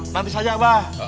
nanti saja abah